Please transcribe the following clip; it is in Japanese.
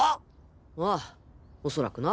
ああおそらくな。